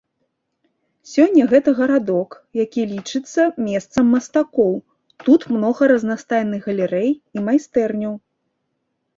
Сёння гэта гарадок, які лічыцца месцам мастакоў, тут многа разнастайных галерэй і майстэрняў.